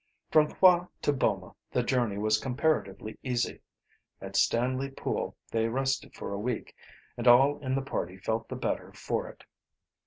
From Kwa to Boma the journey was comparatively easy. At Stanley Pool they rested for a week, and all in the party felt the better for it.